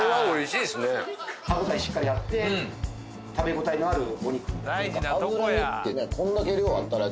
しっかりあって食べ応えのあるお肉脂身ってね